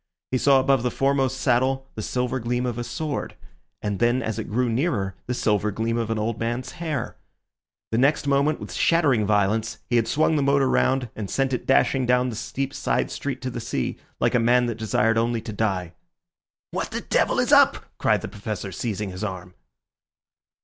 He saw above the foremost saddle the silver gleam of a sword, and then as it grew nearer the silver gleam of an old man's hair. The next moment, with shattering violence, he had swung the motor round and sent it dashing down the steep side street to the sea, like a man that desired only to die. "What the devil is up?" cried the Professor, seizing his arm.